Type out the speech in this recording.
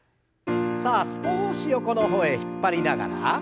さあ少し横の方へ引っ張りながら。